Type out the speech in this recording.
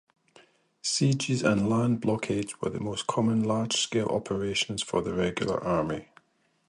Sieges and land blockades were the most common large-scale operations for the regular army.